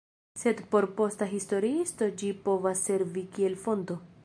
Sed por posta historiisto ĝi povas servi kiel fonto.